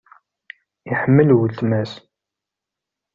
Iḥemmel wletma-s.